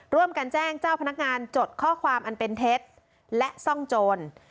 ร่วมกันแจ้งเจ้าพนักงานจดข้อความอันเป็นเท็จและซ่องโจร